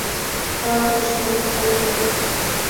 Каврий шольо, колто!..